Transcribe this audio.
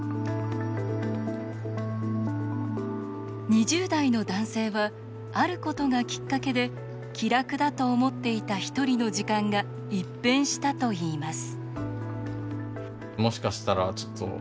２０代の男性はあることがきっかけで気楽だと思っていたひとりの時間が一変したといいます。